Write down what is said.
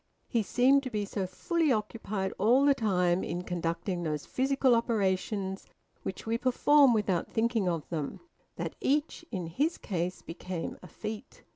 He seemed to be so fully occupied all the time in conducting those physical operations which we perform without thinking of them, that each in his case became a feat.